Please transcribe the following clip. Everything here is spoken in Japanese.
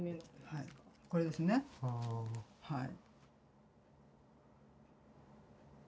はいこれですねはい。